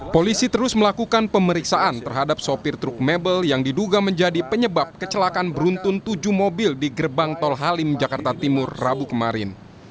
polisi terus melakukan pemeriksaan terhadap sopir truk mebel yang diduga menjadi penyebab kecelakaan beruntun tujuh mobil di gerbang tol halim jakarta timur rabu kemarin